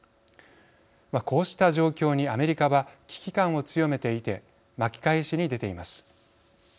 こうした状況にアメリカは危機感を強めていて巻き返しに出ています。